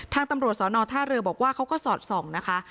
ทางตำรวจสอนอท่าเรือบอกว่าเขาก็สอดส่องนะคะ